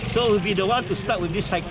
jadi kita akan mulai dari mobil sisi ini